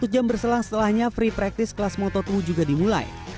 satu jam berselang setelahnya free practice kelas moto dua juga dimulai